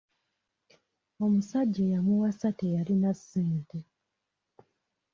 Omusajja eyamuwasa teyalina ssente.